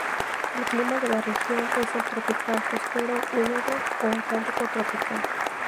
El clima de la región es el tropical costero húmedo o Atlántico tropical.